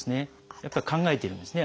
やっぱり考えてるんですね